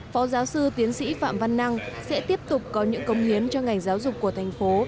phó giáo sư tiến sĩ phạm văn năng sẽ tiếp tục có những công hiến cho ngành giáo dục của thành phố